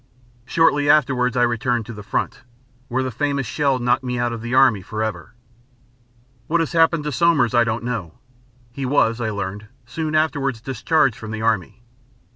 Shortly afterwards I returned to the front, where the famous shell knocked me out of the Army forever. What has happened to Somers I don't know. He was, I learned, soon afterwards discharged from the Army.